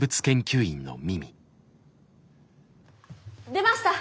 出ました！